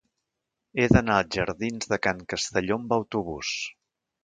He d'anar als jardins de Can Castelló amb autobús.